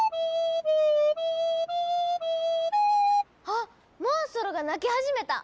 あっモンストロが鳴き始めた！